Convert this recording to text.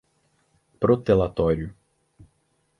protelatório